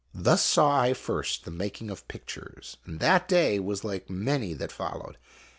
Thus saw I first the making of pictures, and that day was like many that followed.